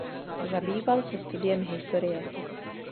Zabýval se studiem historie.